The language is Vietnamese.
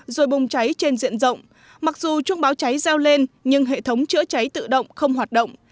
rồi bùng cháy trên diện rộng mặc dù chuông báo cháy gieo lên nhưng hệ thống chữa cháy tự động không hoạt động